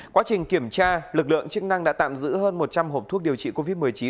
quá trình kiểm tra lực lượng chức năng đã tạm giữ hơn một trăm linh hộp thuốc điều trị covid một mươi chín